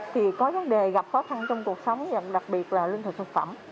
thì có vấn đề gặp khó khăn trong cuộc sống và đặc biệt là lương thực thực phẩm